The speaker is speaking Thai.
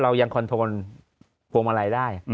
ยังคอนโทนพวงมาลัยได้